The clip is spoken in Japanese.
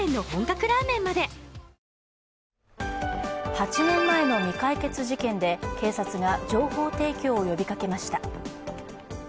８年前の未解決事件で警察が情報提供を呼びかけました。